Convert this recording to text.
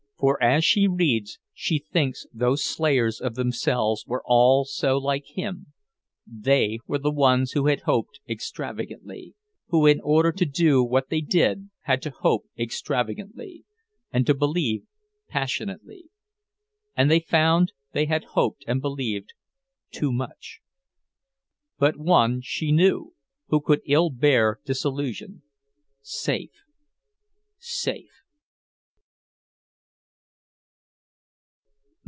For as she reads, she thinks those slayers of themselves were all so like him; they were the ones who had hoped extravagantly, who in order to do what they did had to hope extravagantly, and to believe passionately. And they found they had hoped and believed too much. But one she knew, who could ill bear disillusion... safe, safe.